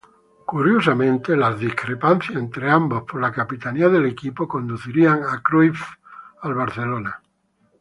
Curiosamente discrepancias entre ambos por la capitanía del equipo conducirían a Cruyff al Barcelona.